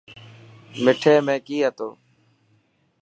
مٺي ۾ ڪئي هتو؟